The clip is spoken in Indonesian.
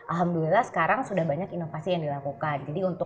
alhamdulillah sekarang sudah banyak inovasi yang dilakukan